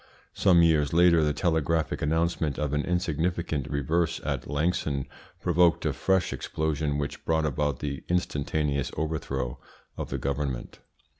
Some years later the telegraphic announcement of an insignificant reverse at Langson provoked a fresh explosion which brought about the instantaneous overthrow of the government.